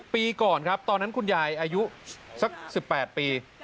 ปีก่อนครับตอนนั้นคุณยายอายุสัก๑๘ปี